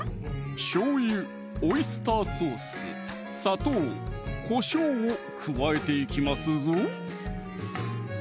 しょうゆ・オイスターソース・砂糖・こしょうを加えていきますぞ